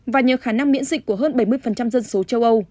và nhờ khả năng miễn dịch của hơn bảy mươi dân số châu âu